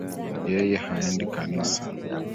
Yeye haendi kanisa